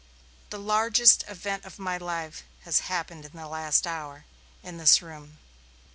"The largest event of my life has happened in the last hour, in this room.